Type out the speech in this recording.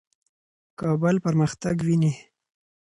کابل پرمختګ ویني.